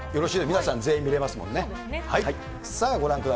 皆さん、全員見れますもんね。